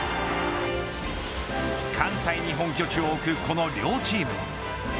関西に本拠地を置くこの両チーム。